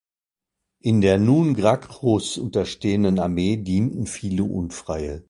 In der nun Gracchus unterstehenden Armee dienten viele Unfreie.